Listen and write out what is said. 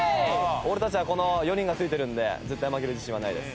俺たちはこの４人がついてるので絶対負ける自信はないです。